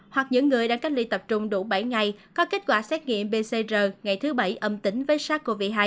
hoặc những người đang cách ly tập trung đủ bảy ngày có kết quả xét nghiệm pcr ngày thứ bảy âm tính với sars cov hai